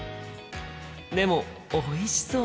でもおいしそう！